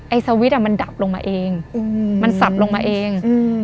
สวิตช์อ่ะมันดับลงมาเองมันสับลงมาเอง